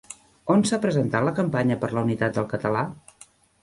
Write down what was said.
On s'ha presentat la campanya per la unitat del català?